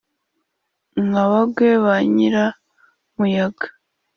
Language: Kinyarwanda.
nka bagwe ba nyiramuyaga.